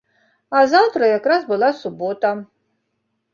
А заўтра як раз была субота.